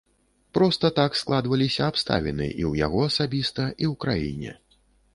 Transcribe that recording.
Проста так складваліся абставіны і ў яго асабіста, і ў краіне.